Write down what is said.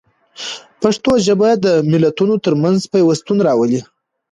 پښتو ژبه د ملتونو ترمنځ پیوستون راولي.